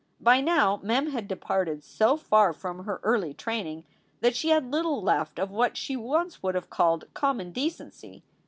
By now Mem had departed so far from her early training that she had little left of what she would once have called common decency.